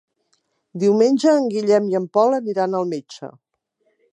Diumenge en Guillem i en Pol aniran al metge.